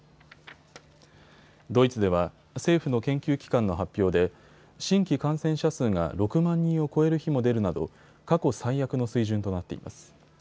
ドイツでは政府の研究機関の発表で新規感染者数が６万人を超える日も出るなど過去最悪の水準となっています。